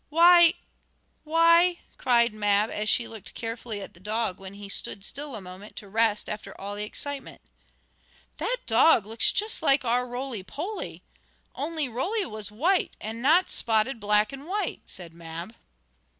"Why! Why!" cried Mab, as she looked carefully at the dog when he stood still a moment to rest after all the excitement. "That dog looks just like our Roly Poly, only Roly was white and not spotted black and white," said Mab.